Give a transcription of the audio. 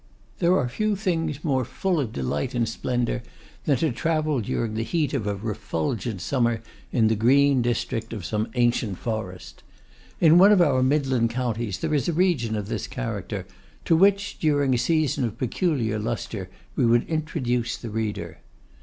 There are few things more full of delight and splendour, than to travel during the heat of a refulgent summer in the green district of some ancient forest. In one of our midland counties there is a region of this character, to which, during a season of peculiar lustre, we would introduce the reader.